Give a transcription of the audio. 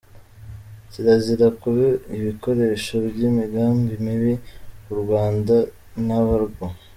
• Kirazira kuba ibikoresho by’imigambi mibi ku Rwanda n’abarwo.